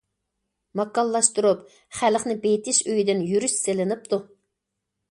ماكانلاشتۇرۇپ خەلقنى بېيىتىش ئۆيىدىن يۈرۈش سېلىنىپتۇ.